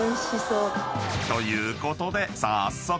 ［ということで早速］